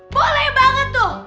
boleh banget tuh